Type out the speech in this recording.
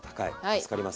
助かります。